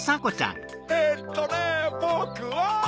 えっとねぼくは。